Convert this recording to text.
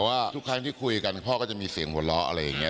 ว่าทุกครั้งที่คุยกันพ่อก็จะมีเสียงหัวเราะอะไรอย่างนี้